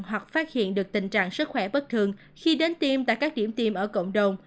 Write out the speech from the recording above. hoặc phát hiện được tình trạng sức khỏe bất thường khi đến tiêm tại các điểm tiêm ở cộng đồng